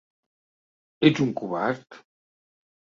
Ets un covard?